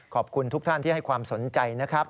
ขอบคุณทุกท่านที่ให้ความสนใจนะครับ